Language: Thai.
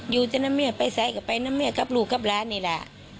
อยู่ที่น้ำเมียไปใส่กับไปน้ำเมียกับลูกกับร้านเนี่ยล่ะ